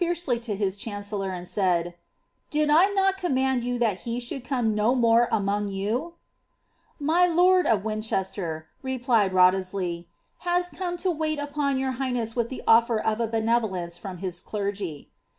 HerbiTi. Fox. RapUi. KATHAKINB PAKE'. veely to his chancellor, and said, ^ Did I not command you that he ould come no more among you ?"My lord of Winchester, ' replied Wriolhesley, " has come to wait K>n your highness with the offer of a benevolence from his clergy.